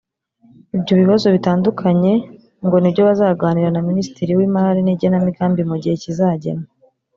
Ibyo bibazo bitandukanye ngo ni byo bazaganira na Minisitiri w’Imari n’igenamigambi mu gihe kizagenwa